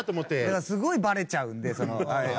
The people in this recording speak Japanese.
だからすごいバレちゃうんで。